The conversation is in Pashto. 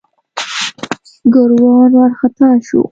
ګوروان وارخطا شو.